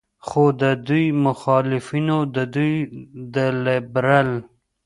خو د دوي مخالفينو د دوي د لبرل